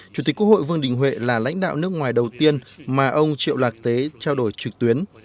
chủ tịch quốc hội vương đình huệ là lãnh đạo nước ngoài đầu tiên mà ông triệu lạc tế trao đổi trực tuyến